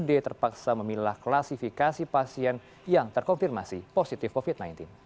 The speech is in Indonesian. d terpaksa memilah klasifikasi pasien yang terkonfirmasi positif covid sembilan belas